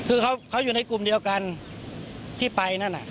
คือเขาอยู่ในกลุ่มเดียวกันที่ไปนั่นน่ะ